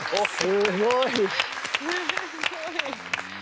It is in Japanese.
すごい。